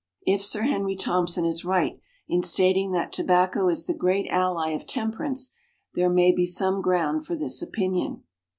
If Sir Henry Thompson is right in stating that tobacco is the great ally of temperance, there may be some ground for this opinion.